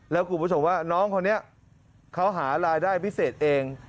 แล้วคุณผู้ชมว่าน้องคนนี้เขาหารายได้พิเศษเอง